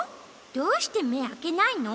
どうしてめあけないの？